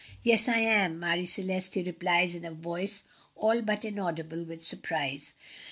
"Yes, I am," Marie Celeste replies in a voice all but inaudible with surprise.